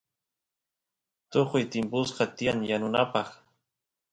tukuy timpusqa tiyan yanunapaq